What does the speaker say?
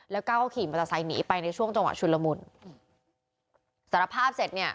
แล้วก็ขี่มอเตอร์ไซค์หนีไปในช่วงจังหวะชุนละมุนสารภาพเสร็จเนี่ย